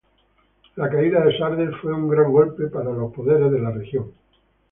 La caída de Sardes fue un gran golpe a los poderes de la región.